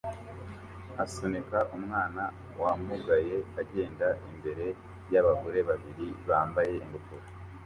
asunika umwana wamugaye agenda imbere yabagore babiri bambaye ingofero